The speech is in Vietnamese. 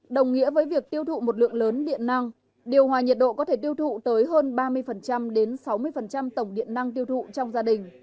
đồng nghĩa với việc tiêu thụ một lượng lớn điện năng điều hòa nhiệt độ có thể tiêu thụ tới hơn ba mươi đến sáu mươi tổng điện năng tiêu thụ trong gia đình